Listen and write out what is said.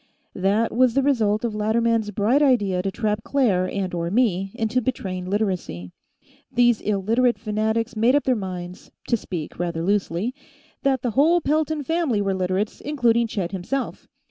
That was the result of Latterman's bright idea to trap Claire and/or me into betraying Literacy. These Illiterate fanatics made up their minds, to speak rather loosely, that the whole Pelton family were Literates, including Chet himself.